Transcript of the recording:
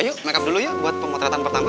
yuk make up dulu ya buat pemotretan pertama